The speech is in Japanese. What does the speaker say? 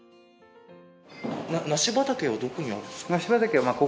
梨畑はどこにあるんですか？